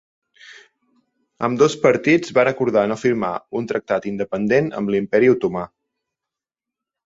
Ambdós partits van acordar no firmar un tractat independent amb l'Imperi otomà.